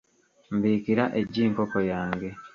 Mbiikira eggi nkoko yange.